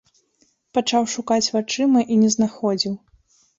Пачаў шукаць вачыма і не знаходзіў.